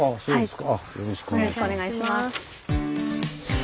よろしくお願いします。